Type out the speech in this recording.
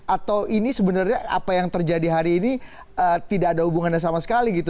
atau ini sebenarnya apa yang terjadi hari ini tidak ada hubungannya sama sekali gitu